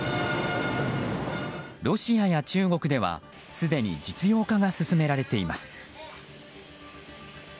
ロシアや中国ではすでに実用化が進められています。